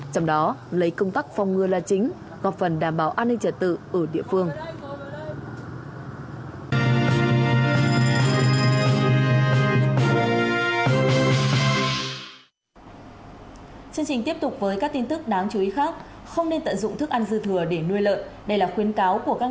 trong đó lấy công tác phòng ngừa là chính góp phần đảm bảo an ninh trật tự ở địa phương